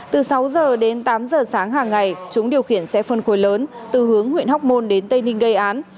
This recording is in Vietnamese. từ sáu giờ đến tám giờ sáng hàng ngày chúng điều khiển xe phân khối lớn từ hướng huyện hóc môn đến tây ninh gây án